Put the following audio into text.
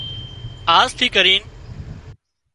آز ٿي ڪرين